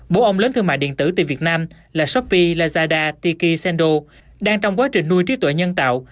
bố ông lớn thương mại điện tử từ việt nam là shopee lazada tiki sendo đang trong quá trình nuôi trí tuệ nhân tạo